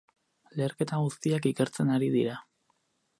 Leherketa guztiak ikertzen ari dira.